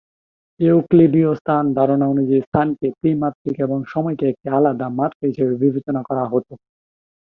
ইউক্লিডীয় স্থান ধারণা অনুযায়ী স্থানকে ত্রিমাত্রিক এবং সময়কে একটি আলাদা মাত্রা হিসেবে বিবেচনা করা হতো।